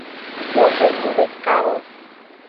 Yovogbu dekawo.